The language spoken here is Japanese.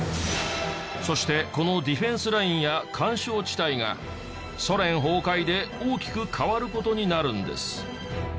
そしてこのディフェンスラインや緩衝地帯がソ連崩壊で大きく変わる事になるんです。